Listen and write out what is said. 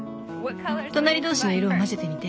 隣同士の色を混ぜてみて。